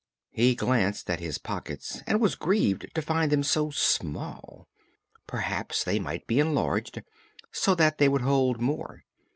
He glanced at his pockets and was grieved to find them so small. Perhaps they might be enlarged, so that they would hold more.